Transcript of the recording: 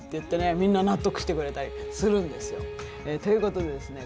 みんな納得してくれたりするんですよ。ということでですね